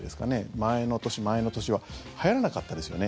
前の年、前の年ははやらなかったですよね。